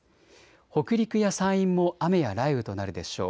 北陸や山陰も雨や雷雨となるでしょう。